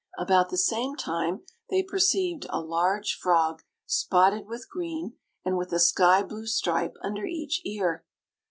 About the same time they perceived a large frog, spotted with green, and with a sky blue stripe under each ear.